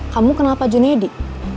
kamu kenal pak juna ya di